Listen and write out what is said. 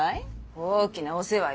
大きなお世話よ。